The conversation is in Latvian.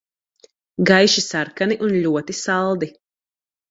Gaiši sarkani un ļoti saldi.